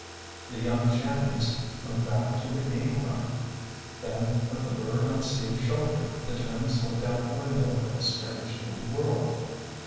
The young Shannons went back to the game room. Then with the bird on Steve's shoulder, the twins looked out the window at the strange new world.